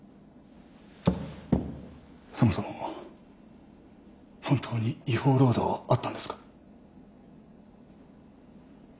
そもそも本当に違法労働はあったんですか。